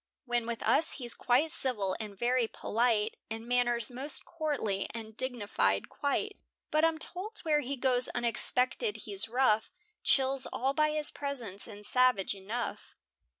When with us he's quite civil and very polite, In manners most courtly, and dignified quite; But I'm told were he goes unexpected he's rough, Chills all by his presence, and savage enough.